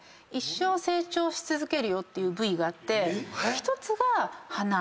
１つが鼻。